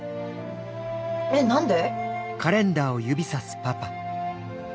えっ何で？